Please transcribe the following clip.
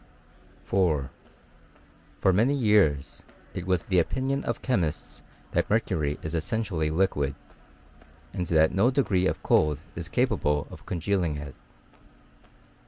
For many years it ^vas the opinion. of chemists that mercury is essentially liquid, and that no degree of cold is capable of congealing it.